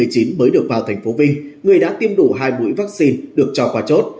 trường hợp phiếu báo kết quả hết hiệu lực người đã tiêm đủ hai bũi vaccine được cho quả chốt